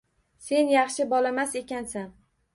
Sen yaxshi bolamas ekansan.